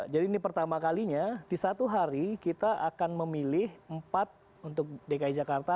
jadi ini pertama kalinya di satu hari kita akan memilih empat untuk dki jakarta